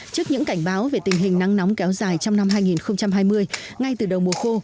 trước những cảnh báo về tình hình nắng nóng kéo dài trong năm hai nghìn hai mươi ngay từ đầu mùa khô